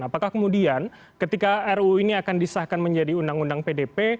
apakah kemudian ketika ruu ini akan disahkan menjadi undang undang pdp